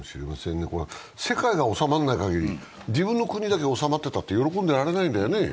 世界が収まらない限り、自分の国だけ収まってたって喜んでいられないんだよね。